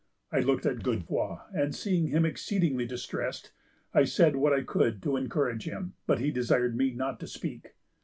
I looked at Godefroy, and, seeing him exceedingly distressed, I said what I could to encourage him; but he desired me not to speak.